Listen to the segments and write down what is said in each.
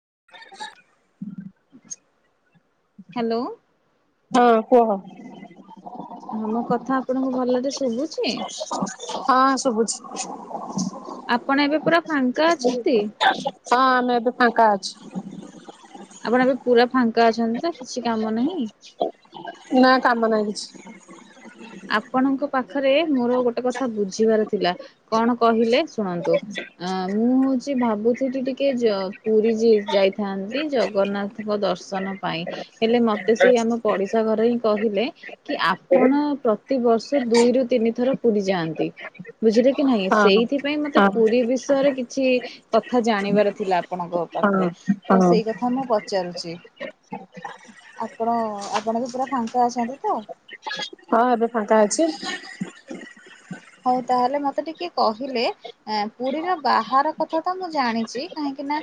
[inaudible] [unintelligible] Hello. ହଁ କୁହ। ହଁ ମୋ କଥା ଆପଣଙ୍କୁ ଭଲରେ ଶୁଭୁଛି। ହଁ ଶୁଭୁଛି ଆପଣ ଏବେ ପୁରା ଫାଙ୍କା ଅଛନ୍ତି। ଫାଙ୍କ ଅଛି। ଆପଣ ଏବେ ପୁରା ଫାଙ୍କା ଅଛନ୍ତି ତ। କିଛି କାମ ନାହିଁ। ନା କାମ ନାହିଁ କିଛି। ଆପଣଙ୍କ। ପାଖରେ ମୋର ଗୋଟେ କଥା ବୁଝିବାର ଥିଲା କଣ କହିଲେ ଶୁଣନ୍ତୁ ଅ ମୁଁ ହଉଛି ଭାବୁଥିଲ ଟିକେ ପୁରୀ ଯାଇଥାନ୍ତି ଜଗନ୍ନାଥଙ୍କ ଦର୍ଶନ ପାଇଁ। ହେଲେ ମତେ ସେଇ ଆମ ପଡିଶା ଘରେ ହିଁ। କହିଲେ। କି ଆପଣ। ପ୍ରତିବର୍ଷ ଦୁଇରୁ ତିନି ଥର ପୁରୀ ଯାଆନ୍ତି। ବୁଝିଲେ କି ନାଇଁ ହଁ ସେଇଥିପାଇଁ ମତେ ହଁ ପୁରୀ ବିଷୟରେ କିଛି କଥା ଜାଣିବାର ଥିଲା ଆପଣଙ୍କ ହଁ ପାଖରେ ତ ହଁ ସେଇ କଥା ମୁଁ ପଚାରୁଛି। ଆପଣ ଆପଣ ବି ପୁରା ଫାଙ୍କା ଅଛନ୍ତି ତ। ହଁ ଏବେ ଫାଙ୍କା ଅଛି। ହଉ ତାହେଲେ ମତେ ଟିକେ କହିଲେ ପୁରୀର ବାହାର କଥା ତ ମୁଁ ଜାଣିଛି କାହିଁକି ନା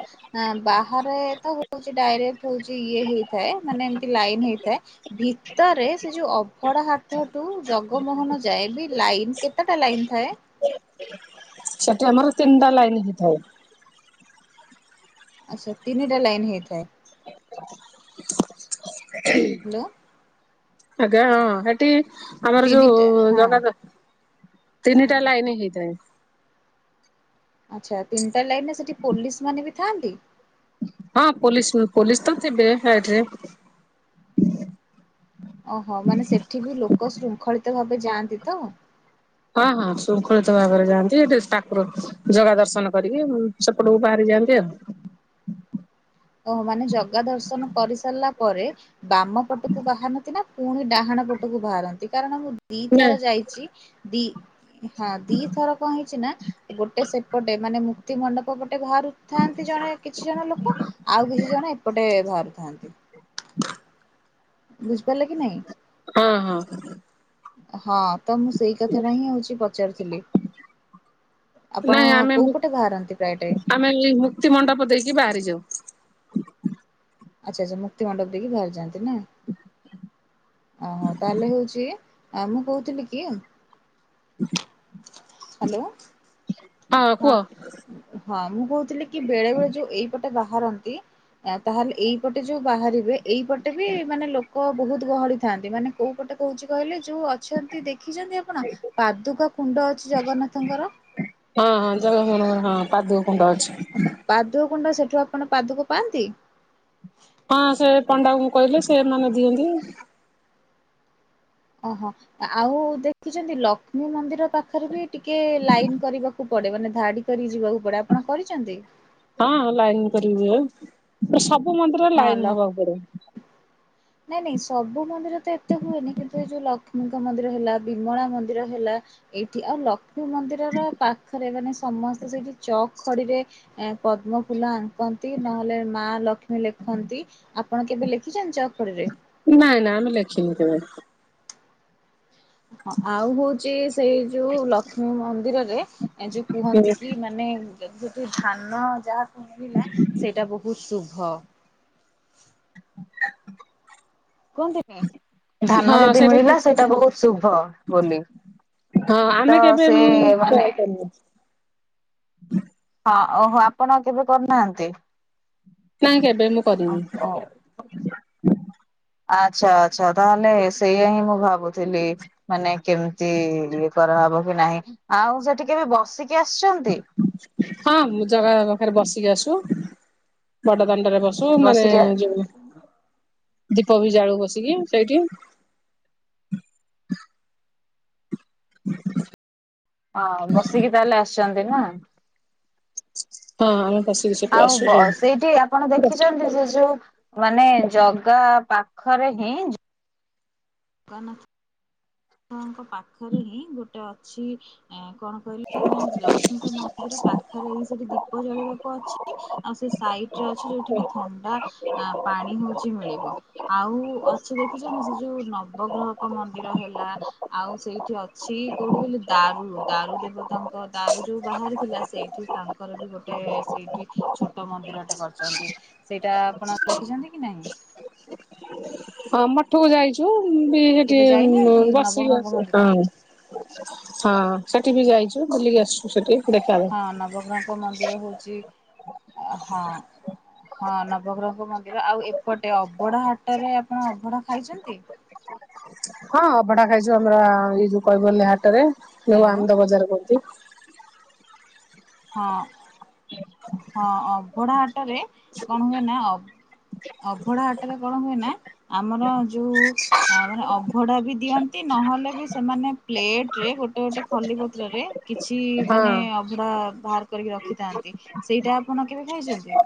ବାହାରେ ତ ହଉଛି ଡାଇରେକ୍ଟ ହଉଛି ଇଏ ହେଇଥାଏ ମାନେ ଏମତି ଲାଇନ ହେଇଥାଏ ଭିତରେ ସେ ଯୋଉ ଅଭଡା ହାଟଠୁ ଜଗମୋହନ ଯାଏ ବି ଲାଇନ କେ। କେତେଟା ଲାଇନ୍ ଥାଏ। ସେଠି ଆମର ତିନିଟା ଲାଇନ୍ ହେଇ ଥାଏ। ଆଚ୍ଛା ତିନିଟା ଲାଇନ ହେଇଥାଏ। ହ୍ୟାଲୋ। ଆଜ୍ଞା ହଁ। ଆମର ତିନିଟା ଯୋଉ ହଁ ଜଗା। ତିନିଟା ଲାଇନ ହେଇଥାଏ। ଆଛା ହଉ ତିନିଟା ଲାଇନ ରେ ସେଠି ପୋଲିସ ମାନେ ବି ଥାନ୍ତି। ହଁ ପୋଲିସ୍ ପୋଲିସ୍ ତ ଥିବେ ସାଇଡ୍ ରେ। ଓହୋ ମାନେ ସେଠି ବି ଲୋକ ଶୃଙ୍ଖଳିତ ଭାବେ ଯାଆନ୍ତି ତ। ହଁ ହଁ ଶୃଙ୍ଖଳିତ ଭାବରେ ଯାଆନ୍ତି ଏଠି ଠାକୁର ଜଗା ଦର୍ଶନ କରିକି ସେପଟକୁ ବାହାରି ଯାଆନ୍ତି ଆଉ। ଓହୋ ମାନେ ଜଗା ଦର୍ଶନ କରିସାରିଲା ପରେ ବାମ ପଟକୁ ବାହାରନ୍ତି ନା ପୁଣି ଡାହାଣ ପଟକୁ ବାହାରନ୍ତି କାରଣ ମୁଁ। ନା ଦିଥର ଯାଇଛି ଦି। ହଁ ଦିଥର କଣ ହେଇଛି ନା ଗୋଟେ ସେପଟେ ମାନେ ମୁକ୍ତି ମଣ୍ଡପ ପଟେ ବାହାରୁଥାନ୍ତି ଜଣେ କିଛି ଜଣ ଲୋକ। ଆଉ କିଛି ଜଣ ଏପଟେ ବାହାରିଥାନ୍ତି। ବୁଝିପାରିଲ କି ନାଇଁ। ହଁ ହଁ। ହଁ ତ ମୁଁ ସେଇ କଥା ଟା ହିଁ ହଉଚି ପଚାରୁିଥିଲି। ନାଇଁ ଆମେ ଆମେ ଆମେ ଏଇ ମୁକ୍ତି ମଣ୍ଡପ ଦେଇକି ବାହାରି ଯାଉ। ଆଚ୍ଛା ଆଚ୍ଛା ମୁକ୍ତିମଣ୍ଡପ ଦେଇକି ବାହାରି ଯାଆନ୍ତି ନା। ଓହୋ ତାହେଲେ ହେଉଚି ମୁଁ କହୁଥିଲି କି ହାଲୋ। ହଁ ହଁ ମୁଁ। କହୁଥିଲି କି ବେଳେ ବେଳେ ଯୋଉ ଏଇପଟେ ବାହାରନ୍ତି ତାହେଲେ ଏଇପଟେ ଯୋଉ ବାହାରିବେ। ଏଇପଟେ ବି ମାନେ ଲୋକ। ଲୋକ ବହୁତ ଗହଳିଥାନ୍ତି ମାନେ କୋଉ ପଟେ କହୁଛି କହିଲେ ଯୋଉ ଅଛନ୍ତି ଦେଖୀ ଦେଖିଛନ୍ତି ଆପଣ ପାଦୁକା କୁଣ୍ଡ ଅଛି ଜଗନ୍ନାଥଙ୍କର? [unintelligible] କୁଣ୍ଡ ଅଛି ପାଦୁକ କୁଣ୍ଡ ସେଠୁ ଆପଣ ପାଦୁକ ପାଆନ୍ତି? ହଁ ସେ ପଣ୍ଡାଙ୍କୁ କହିଲେ ସେମାନେ ଦିଅନ୍ତି। ଅହ ଆଉ ଦେଖିଛନ୍ତି ଲକ୍ଷ୍ମୀ ମନ୍ଦିର ପାଖରେ ବି ଟିକେ ଲାଇନ କରିବାକୁ ପଡେ ମାନେ ଧାଡି କରିକି ଯିବାକୁ ପଡେ ଆପଣ କରିଚନ୍ତି? ହଁ ଲାଇନ୍ କରିବୁ ଯେ ସ ବୁ ମନ୍ଦିର ରେ ହଁ ଲାଇନ ଲ ହବାକୁ ପଡେ। ନାଇଁ ନାଇଁ ସବୁ ମନ୍ଦିର ତ ଏତେ ହୁଏନି କିନ୍ତୁ ଏ ଯୋଉ ଲକ୍ଷ୍ମୀଙ୍କ ମନ୍ଦିର ହେଲା ବିମଳା ମନ୍ଦିର ହେଲା ଏଇଠି ଆଉ ଲ କ୍ଷ୍ମୀ ମନ୍ଦିରର ପାଖରେ ମାନେ ସମସ୍ତେ ସେଇଠି ଚକ୍ ଖଡିରେ ପଦ୍ମ ଫୁଲ ଆଙ୍କନ୍ତି ନହେଲେ ମା ଲକ୍ଷ୍ମୀ ଲେଖନ୍ତି ଆପଣ କେବେ ଲେଖିଚନ୍ତି ଚ ଖଡିରେ? ନାଇଁ ନା ଆମେ ଲେଖିନୁ କେବେ। ଆଉ ହଉଚି ସେଇ ଯୋଉ ଲକ୍ଷ୍ମୀ ମନ୍ଦିର ରେ ରେ ଯୋଉ କୁହନ୍ତି କି ମାନେ ଯୋଉଠି ଧାନ ଯାହାକୁ ମିଳିଲା ସେଇଟା ବହୁତ ସୁ ହଁ [inaudible] [inaudible] କୁହନ୍ତି କି ଧାନ ଯଦି ମିଳିଲା ସେଇଟା ବହୁତ ଶୁଭ ବୋଲି ହଁ [inaudible] ଆମେ ତ କେବେ ସେ ମୁଁ ମାନେ ଟ୍ରାଏ କରିନି। [inaudible] ଅ ଓହୋ ଆପଣ ଆଉ କେବେ କରୁନାହାନ୍ତି? କାଇଁ କେବେ ମୁଁ କରିନି। ଆଚ୍ଛା ଆଚ୍ଛା ତାହେଲେ ସେଇଆ ହିଁ ମୁଁ ଭାବୁଥିଲି ମାନେ କେମିତି ଇଏ କରାହେବ କି ନାହିଁ ଆଉ ସେଠି କେବେ ବସିକି ଆସିଛନ୍ତି? ହଁ ମୁଁ ଜଗାଙ୍କ ପାଖରେ ବସି କି ଆସୁ ବଡ ଦାଣ୍ଡରେ ବସୁ ମାନେ ବସିକି ଯୋଉ ଦୀପ ବି ଜାଳୁ ବସିକି ସେଇଠି [inaudible] [inaudible] ହଁ ବସିକି ତାହେଲେ ଆସିଛନ୍ତି ନା। ହଁ। ବସିକି ସେଠୁ ଆଉ ଆସୁ ଵ ସବୁ। ସେଇଠି ଆପଣ ଦେଖିଛନ୍ତି ସେ ଯୋଉ ମାନେ ଜଗା ପାଖରେ ହିଁ। କଣ? ଙ୍କ ପାଖରେ ହିଁ ଗୋଟେ ଅଛି କଣ। [unintelligible] ଙ୍କ ମନ୍ଦିର ପାଖରେ ହିଁ ସେଠି ଦୀପ ଜଲେଇବାକୁ ଅଛି ଆଉ ସେ ସାଇଡ ରେ ଅଛି ଯୋଉଠିିକି ଥଣ୍ଡା ପାଣି ହଉଛି ମିଳିବ ଆଉ ଅଛ ଦେଖିଛନ୍ତି ସେ ଯୋଉ ନବଗ୍ରହକ ମନ୍ଦିର ହେଲା। ଆଉ ସେଇଠି ଅଛି କୋଉଠି ଗିଲ ଦାରୁ ଦାରୁ ଦେବତାଙ୍କ ଦାରୁ ଯୋଉ ବାହାରି ଥିଲା ସେଇଠି ତାଙ୍କର ବି ଗୋଟେ ସେଇଠି ଛୋଟ ମନ୍ଦିରଟା କରିଛନ୍ତି ସେଇଟା ଆପଣ ଦେଖିଛନ୍ତି କି ନାହିଁ? ହଁ ମଠକୁ ଯାଇଛୁ। ବି ସେଠି କେବେ ଯାଇନାହାନ୍ତି ବସିକି ନବଗ୍ରହଙ୍କ ମନ୍ଦିର? ଆସିବ। ହଁ ସେଠି ବି ଯାଇଛୁ ବୁଲିକି ଆସିଛୁ ସେଠି। ଦେଖା ହଁ ନବଗ୍ରହଙ୍କ ମ ମନ୍ଦିର ହଉଛି ହଁ ହଁ ନବଗ୍ରହଙ୍କ ମନ୍ଦିର ଆଉ ଏପଟେ ଅବଢା ହାଟରେ ଆପଣ ଅବଢା ଖାଇଛନ୍ତି? ହଁ ଅଭଡା ଖାଇଛୁ ଆମର ଏଇ ଯୋଉ କହିବ ହାଟ ରେ। ଯଉ ହ୍ୟାଲୋ ଆନନ୍ଦ ବଜାର କହୁନ୍ତି। [unintelligible] ହଁ ହଁ ଅଭଢା ହାଟରେ କଣ ହୁଏ ନା ଅଭଢା ହାଟରେ କଣ ହୁଏ ନା ଆମର ଯୋଉ ମାନେ ଅଭଢା ବି ଦିଅନ୍ତି ନହେଲେ ବି ସେମାନେ ପ୍ଲେଟରେ ଗୋଟେ ଗୋଟେ ଖଲି ପତ୍ରରେ କିଛି ହଁ ମାନେ ଅଭଢା ବାହାର କରିକି ରଖିଥାନ୍ତି ସେଇଟା ଆପଣ କେବେ ଖାଇଛନ୍ତି?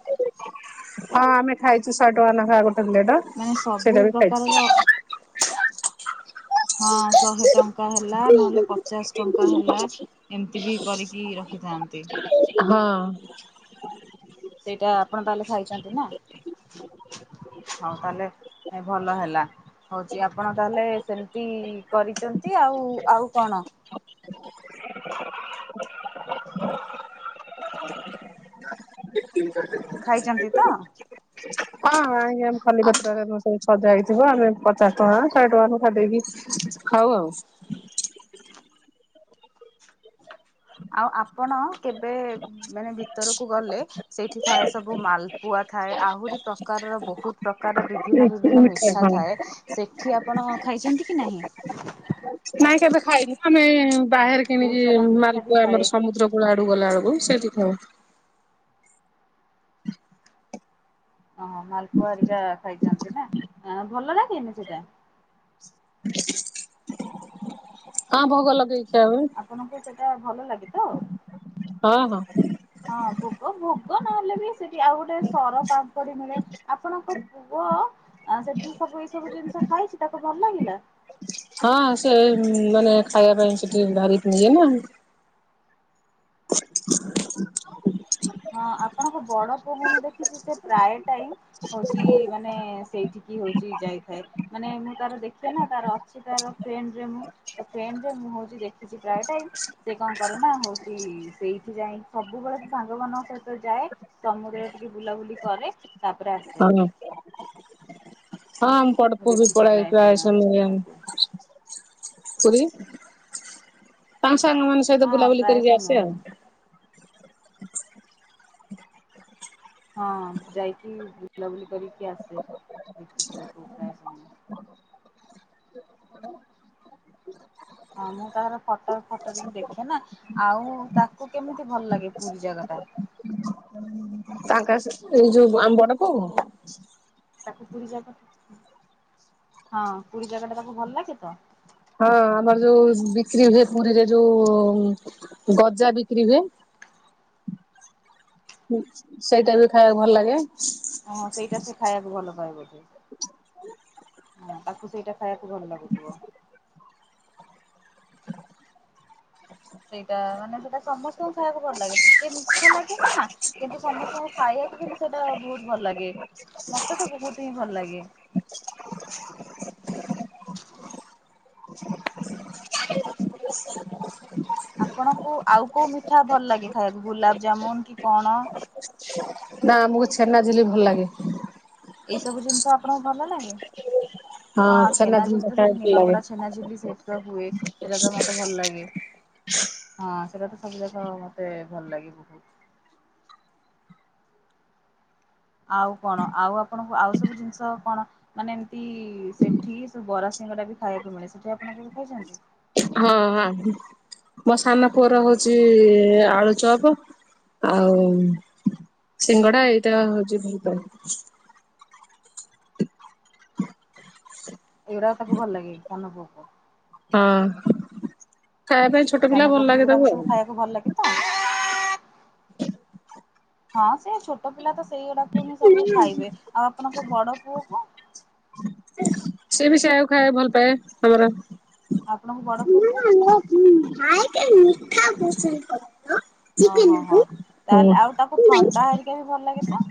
ହଁ ଆମେ ଖାଇଛୁ ସଏଟଙ୍କା ନେଖା ଗୋ ମାନେ ସବୁ ସେଇଟାବି ପ୍ରକାରର ଖାଇଛି। ହଁ ଶହେ ଟଙ୍କା ହେଲା ନହେଲେ ପଚାଶ ଟଙ୍କା ହେଲା ଏମିତି ବି କରିକି ରଖିଥାନ୍ତି। ହଁ। ସେଇଟା ଆପଣ ତାହଲେ ଖାଇଛନ୍ତି ନା ହଉ ତାହେଲେ ଏ ଭଲ ହେଲା ହଉଛି ଆପଣ ତାହେଲେ ସେମିତି କରିଛନ୍ତି ଆଉ ଆଉ କଣ? ଖାଇଛନ୍ତି ତ? ହଁ। ଆ [unintelligible] ସଜା ହେଇଥିବ ଆମେ ପଚାଶ ଟଙ୍କା ଶହେ ଟଙ୍କା ଲେଖା ଦେଇକି ଖାଉ ଆଉ। ଆଉ ଆପଣ କେବେ ମାନେ ଭିତରକୁ ଗଲେ ସେଇଠି ଥାଏ ସବୁ ମାଲପୁଆ ଥାଏ ଆହୁରି ପ୍ରକାରର ବହୁତ ପ୍ରକାର ପ୍ରକାର ବିଭିନ୍ନ ବିଭିନ୍ନ ମିଠା ଥାଏ ସେଠି ଆପଣ ଖାଇଛନ୍ତି କି ନାହିଁ? ନାଇଁ କେବେ ଖାଇନି ଆମେ ବାହାରେ ବହୁତ କିଣିକି ସାରା ମିଠା ବି ମାଲପୁଆ ଥାଏ। ଆମର ସମୁଦ୍ର କୂଳ ଆଡୁ ଗଲା ବେଳକୁ ସେଠି ହଁ। ଓହୋ ମାଲପୁଆ ହରିକା ଖାଇଛନ୍ତି ନା ଭଲ ନା କିନି ସେଟା? ହଁ ଭୋଗ ଲଗେଇଛି। ଆପଣଙ୍କୁ ସେଇଟା ଭଲ ଲାଗେ? ହଁ। ହଁ ହଁ ହଁ ଭୋଗ ଭୋଗ ନହେଲେ ବି ସେଠି ଆଉ ଗୋଟେ ସର ପାମ୍ପୁଡି ମିଳେ ଆପଣଙ୍କ ପୁଅ ସେଠି ସବୁ ଏଇ ସବୁ ଜିନିଷ ଖାଇଛି ତାକୁ ଭଲ ଲାଗିଲା। ହଁ ସେ ମାନେ ଖାଇବା ପାଇଁ ସେଠି ଧରିକ ନିଏନା। ହଁ ଆପଣଙ୍କ ବଡ ପୁଅ ମୁଁ ଦେଖିଛି ସେ ପ୍ରାୟ ଟାଇମ ହଉଛି ମାନେ ସେଇଠ କିି ହଉଛି ଯାଇଥାଏ ମାନେ ମୁଁ ତାର ଦେଖ ନା ତାର ଅଛି ତାର ଫ୍ରେଣ୍ଡରେ ମୁଁ ଫ୍ରେଣ୍ଡରେ ମୁଁ ହଉଛି ଦେଖିଛି ପ୍ରାୟ ଟାଇ ସେ କଣ କରେ ନା ହଉଛି ସେଇଠି ଯାଇ ସବୁବେଳେ ସାଙ୍ଗ ମାନ ସହିତ ଯାଏ ସମୁଦ୍ର ଟିକେ ବୁଲାବୁଲି କରେ ତାପରେ ଆସେ। ହଁ ହଁ ଆମ ମୁଁ ପପୁ ବି ଦେଖିଛି ପ୍ରାୟ ପଳେଇଥିବା ସମୟ ଆ ତାକୁ। କୁରୀ ପାଞ୍ଚ ସାଙ୍ଗ ମାନଙ୍କ ସହିତ ହଁ ବୁଲାବୁଲି ପ୍ରାୟ କରିକି ସମୟ ଆସେ ଆଉ। ହିଁ ହଁ ଯାଇକି ବୁଲାବୁଲି କରିକି ଆସେ ଦେଖିଛିିବାକୁ ପ୍ରାୟ ସମୟ ହଁ ମୁଁ ତାର ଫଟୋ ଫଟୋରେ ବି ଦେଖେ ନା ଆଉ ତାକୁ କେମିତି ଭଲ ଲାଗେ ପୁରୀ ଜାଗା ଟା ତାଙ୍କ ଏଇ ଯୋଉ ଆମ ବଡ ପୁଅ କୁ ତାକୁ ପୁରୀ ଜାଗା ହଁ ପୁରୀ ଜାଗା ଟା ତାକୁ ଭଲ ଲାଗେ ତ ହଁ ଆମର ଯୋଉ ବିକ୍ରି ହୁଏ ପୁରୀରେ ଯୋଉ ଗଜା ବିକ୍ରି ହୁଏ। ସେଇଟା ବି ଖାଇବାକୁ ଭଲ ଲାଗେ ଓଁ ସେଇଟା ସେ ଖାଇବାକୁ ଭଲ ପାଇବ ସେ ତାକୁ ସେଇଟା ଖାଇବାକୁ ଭଲ ଲାଗୁଥିବ। ସେଇଟା ମାନେ ସେଇଟା ସମସ୍ତଙ୍କୁ ଖାଇବାକୁ ଭଲ ଲାଗେ ଟିକେ ମିଠା ଲାଗେ ସିନା କିନ୍ତୁ ସମସ୍ତଙ୍କୁ ଖାଇବାକୁ ବି ସେଇଟା ବହୁତ ଭଲ ଲାଗେ ମତେ ତ ବହୁତ ହିଁ ଭଲ ଲାଗେ ଆପଣଙ୍କୁ ଆଉ କୋଉ ମିଠା ଭଲ ଲାଗେ ଖାଇବାକୁ ଗୁଲାବଜାମୁନ କି କଣ? ନା ଆମକୁ ଛେନା ଝିଲି ଭଲ ଲାଗେ ଏଇ ସବୁ ଜିନିଷ ଆପଣଙ୍କୁ ଭଲ ଲାଗେ ହଁ ଛେନା ଚେନା ଝିଲି ଝିଲ୍ ଟା ତ ସେରି ଖାଇବାକୁ ଭଲ ଲାଗେ ନିମାପଡ଼ା ଚେନା ଝୀଲ୍ ସହିତ ହୁଏ ସେଟା ତ ମତେ ଭଲ ଲାଗେ, ହଁ ସେଟା ତ ସବୁ ଜକ ମତେ ଭଲ ଲାଗେ ବହୁତ। ଆଉ କଣ ଆଉ ଆପଣଙ୍କୁ ଆଉ ସବୁ ଜିନିଷ କଣ ମାନେ ଏମିତି ସେଠି ସବ ବରା ସିଙ୍ଗ ଟା ବି ଖାଇବାକୁ ମିଳେ ସେଠି ଆପଣ କେବେ ଖାଇଛନ୍ତି। ହଁ ହଁ ମୋ ସାନ ପୁଅର ହଉଛି ଆଳୁ ଚପ ଆଉ ସିଙ୍ଗଡା ଏଇଟା ହଉଛି ଭଳପାଏ। ଏଇଟା ତାକୁ ଭଲ ଲାଗେ ସାନ ପୁଅକୁ ହଁ। ଖାଇବା ପାଇଁ ଛୋଟ ପିଲା ସାନ ଭଲ ପୁଅ କୁ ଲାଗେ ତାକୁ ଏଇଗୁଡାକ ଆଉ ସବୁ ଖାଇବାକୁ ଭଲ ଲାଗେ ତ ହଁ ସେ ଛୋଟ ପିଲା ତ ସେଇଗୁଡାକୁ ହିଁ ସବୁ ଖାଇବେ ଆଉ ଆପଣଙ୍କ ବଡ ପୁଅ କ ସେଏ ବି ସେଆକୁ ଖାଏ ଭଲ ପାାଏ ହେଗୁଡ଼ା ଆପଣଙ୍କୁ ବଡ ପଅକୁ ଭାଇତେ ମିଠା ପସନ୍ଦ କର ଓହୋ ହୋ ଚିକେନକୁ। ହୁଁ ତାହେଲେ ଆଉ ତାକୁ ଥଣ୍ଡା ହଁ ହେରିକା ବି ଭଲ ଲାଗେ ତ।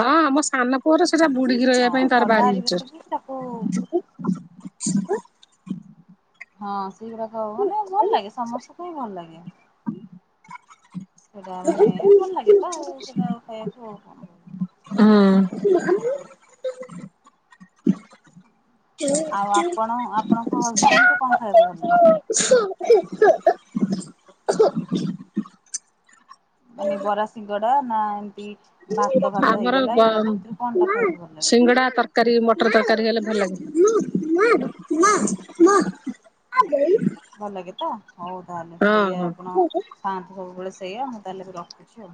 ହଁ ଆମ ସାନ ପୁଅର ସେଟା ବୁଡିକି ଅ ରହିବା ପାଇଁ ତାର ଥଣ୍ଡା ଭାରୀ ହେରିକା ବି ତାକୁ ଇଚ୍ଛା ହଁ। ହଁ। ସେଗୁଡ଼ାକ ମାନେ ଭଲ ଲାଗେ ସମସ୍ତଙ୍କୁ ବି ଭଲ ଲାଗେ ସେଇଟା ମାନେ ଭଲ ଲାଗେ ତ ଆଉ ସେଟା ଖାଇବାକୁ ଆଉ କଣ କହ? ମାମୁଁ। ଆଉ ଆପଣ ଆ ଆପଣଙ୍କ ହଜବେଣ୍ଡଙ୍କୁ କଣ ଖାଇବାକୁ ଭଲ ଲାଗେ? [inaudible] ମାନେ ବରାସିିଙ୍ଗଡା ନା ଏମ୍ ଆମର ବ ଭିତରୁ କଣଟା ଖାଇବାକୁ ଭଲ ଲାଗେ? ସିଙ୍ଗଡା ତରକାରୀ ମଟର ତରକାରୀ ହେଲେ [inaudible] ଭଲ ଲାଗେ ତ ହଉ ତାହେଲେ ହଁ ସେଇଆ ଆପଣ ହଁ। ଥାଆନ୍ତୁ ସବୁବେଳେ ସେଇଆ ମୁଁ ତାହେଲେ ରଖୁଛି ଆଉ